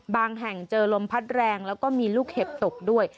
แห่งเจอลมพัดแรงแล้วก็มีลูกเห็บตกด้วย